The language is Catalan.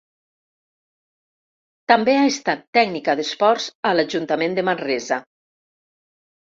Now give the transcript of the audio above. També ha estat tècnica d'esports a l'Ajuntament de Manresa.